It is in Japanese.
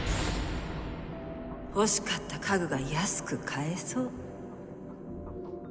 欲しかった家具が安く買えそう。